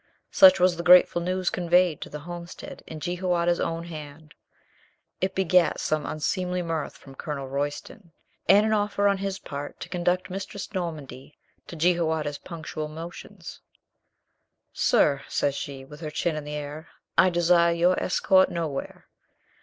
Such was the grateful news conveyed to the homestead in Jehoiada's own hand. It begat some unseemly mirth from Colonel Royston and an offer of his part to conduct Mistress Nor mandy to Jehoiada's punctual motions. "Sir," says she, with her chin in the air, "I desire your escort nowhere."